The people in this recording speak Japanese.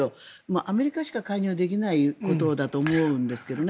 アメリカしか介入できないことだと思うんですけどね。